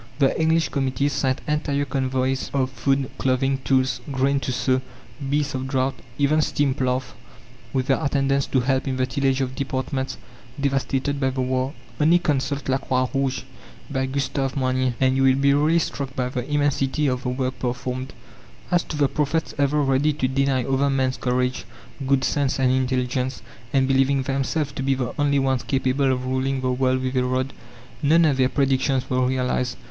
The English committees sent entire convoys of food, clothing, tools, grain to sow, beasts of draught, even steam ploughs with their attendants to help in the tillage of departments devastated by the war! Only consult La Croix Rouge, by Gustave Moynier, and you will be really struck by the immensity of the work performed. As to the prophets ever ready to deny other men's courage, good sense, and intelligence, and believing themselves to be the only ones capable of ruling the world with a rod, none of their predictions were realized.